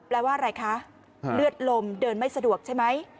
แปลว่าอะไรคะเลือดลมเดินไม่สะดวกใช่ไหม